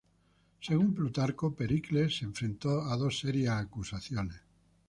Según Plutarco, Pericles se enfrentó a dos serias acusaciones.